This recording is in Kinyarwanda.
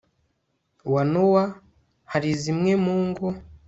wa nowa, hari zimwe mu ngo